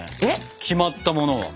決まったものは。